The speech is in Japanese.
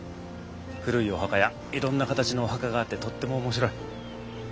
古いお墓やいろんな形のお墓があってとっても面白い。